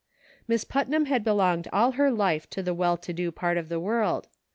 Miss Putnam had belonged all her life to the well to do part of the world.